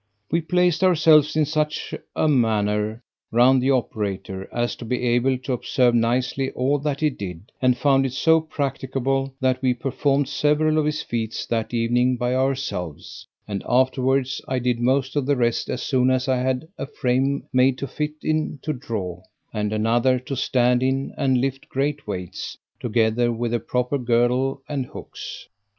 We placed ourselves in such a manner round the operator, as to be able to observe nicely all that he did, and found it so practicable that we performed several of his feats that evening by ourselves, and afterwards I did most of the rest as soon as I had a frame made to fit in to draw, and another to stand in and lift great weights, together with a proper girdle and hooks.